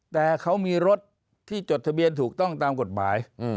แต่เขามีรถที่จดทะเบียนถูกต้องตามกฎหมาย